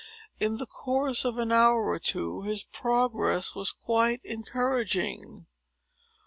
In the course of an hour or two, his progress was quite encouraging.